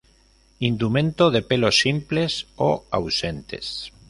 Indumento de pelos simples o ausentes.